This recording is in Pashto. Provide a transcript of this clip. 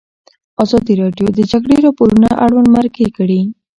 ازادي راډیو د د جګړې راپورونه اړوند مرکې کړي.